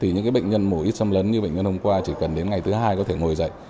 những bệnh nhân mổ ít xâm lấn như bệnh nhân hôm qua chỉ cần đến ngày thứ hai có thể ngồi dậy